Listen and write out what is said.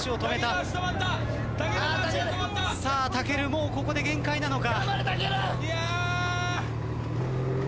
もうここで限界なのか？